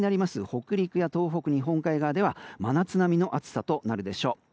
北陸や東北日本海側では真夏並みの暑さとなるでしょう。